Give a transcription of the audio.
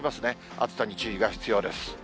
暑さに注意が必要です。